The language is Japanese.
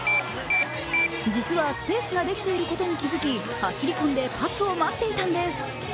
実はスペースができていることに気づき、走り込んでパスを待っていたんです。